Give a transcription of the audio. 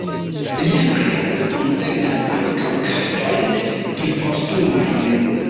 Lia kreado koncernas ankaŭ kartojn priforstumajn.